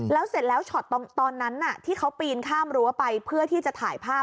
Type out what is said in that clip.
แล้วเสร็จแล้วช็อตตอนนั้นที่เขาปีนข้ามรั้วไปเพื่อที่จะถ่ายภาพ